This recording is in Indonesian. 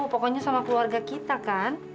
pokoknya sama keluarga kita kan